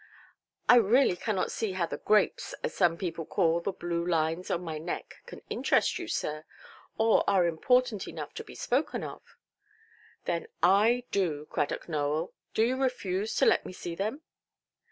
"I really cannot see how the 'grapes', as some people call the blue lines on my neck, can interest you, sir, or are important enough to be spoken of". "Then I do, Cradock Nowell. Do you refuse to let me see them"?